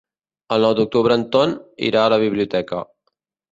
El nou d'octubre en Ton irà a la biblioteca.